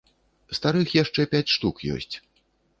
Старых яшчэ пяць штук есць.